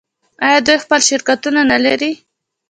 آیا دوی خپل شرکتونه نلري؟